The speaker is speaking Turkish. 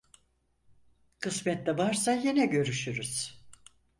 Kısmette varsa yine görüşürüz.